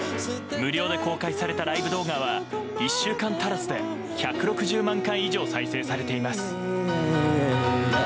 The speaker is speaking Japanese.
無料で公開されたライブ動画は１週間足らずで１６０万回以上再生されています。